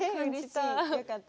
あよかった。